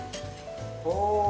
お。